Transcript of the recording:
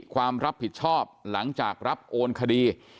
ความรับผิดชอบหลังจากรับโอนคดี